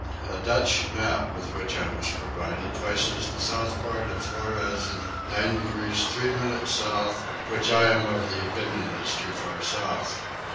A Dutch map with which I was provided places the south part of Flores in 9 degrees 3 minutes south which I am of opinion is too far south.